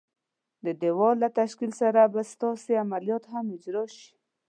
د دېوال له تشکیل سره به ستاسي عملیات هم اجرا شي.